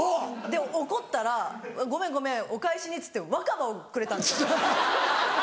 で怒ったら「ごめんごめんお返しに」っつってわかばをくれたんですよ。